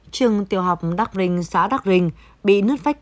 trường tiểu học đắc rinh xã đắc rinh bị nứt vách tường